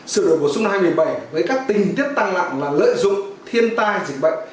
sự đổi bổ sung năm hai nghìn một mươi bảy với các tình tiết tăng nặng là lợi dụng thiên tai dịch bệnh